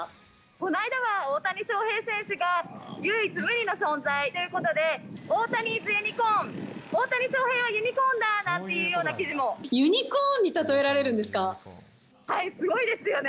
この間は大谷翔平選手が、唯一無二の存在ということで、オオタニ・イズ・ユニコーン、大谷翔平はユニコーンだなんて記ユニコーンに例えられるんですごいですよね。